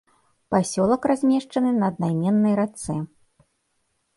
Пасёлак размешчаны на аднайменнай рацэ.